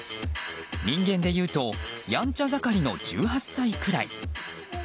人間でいうとやんちゃ盛りの１８歳ぐらい。